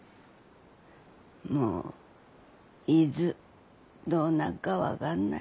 もういづどうなっか分がんない。